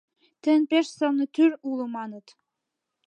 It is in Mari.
Тыйын пеш сылне тӱр уло маныт.